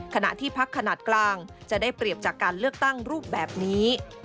ขณะที่พักขนาดกลางจะได้เปรียบจากการเลือกตั้งรูปแบบนี้